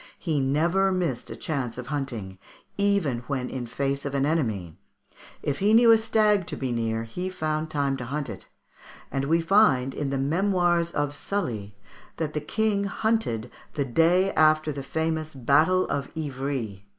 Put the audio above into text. He never missed a chance of hunting, "even when in face of an enemy. If he knew a stag to be near, he found time to hunt it," and we find in the "Memoirs of Sully " that the King hunted the day after the famous battle of Ivry.